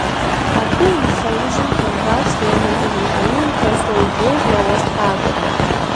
Абы и лъэужьым теуващ Лермонтов Михаил, Толстой Лев, нэгъуэщӏ тхакӏуэхэр.